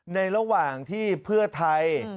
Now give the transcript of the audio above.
ในระหว่างที่เพื่อไทย